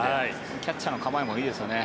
キャッチャーの構えもいいですよね